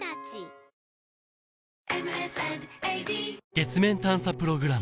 月面探査プログラム